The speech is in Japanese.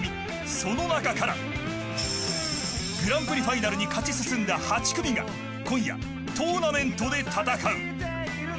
その中からグランプリファイナルに勝ち進んだ８組が今夜、トーナメントで戦う。